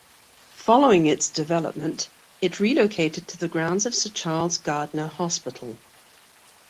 Following its development, it relocated to the grounds of Sir Charles Gairdner Hospital.